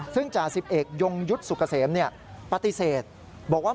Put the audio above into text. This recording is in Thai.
ซึ่งจ่าสิบเอกยงยุทธ์สุกเกษมปฏิเสธบอกว่า